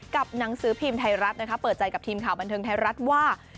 หนังสือพิมพ์ไทยรัฐนะคะเปิดใจกับทีมข่าวบันเทิงไทยรัฐว่า